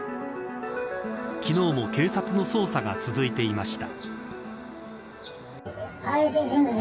昨日も警察の捜査が続いていました。